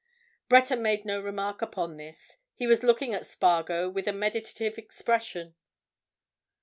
Breton made no remark upon this. He was looking at Spargo with a meditative expression.